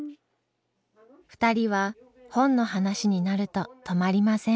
２人は本の話になると止まりません。